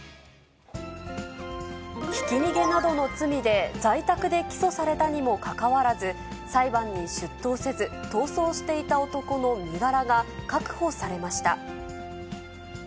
ひき逃げなどの罪で在宅で起訴されたにもかかわらず、裁判に出頭せず、逃走していた男の身柄が確保されました。